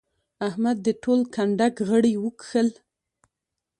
احمد د ټول کنډک غړي وکښل.